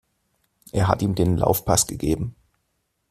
Er hat ihm den Laufpass gegeben.